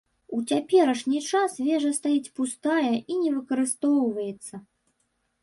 У цяперашні час вежа стаіць пустая і не выкарыстоўваецца.